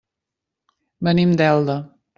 Venim d'Elda.